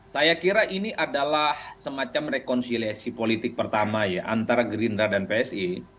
saya kira ini adalah semacam rekonsiliasi politik pertama ya antara gerindra dan psi